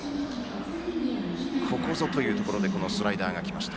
ここぞというところでスライダーが来ました。